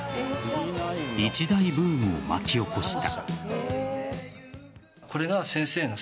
一大ブームを巻き起こした。